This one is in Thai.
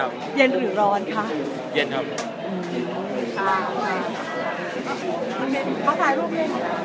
ก้านอิงตะวัน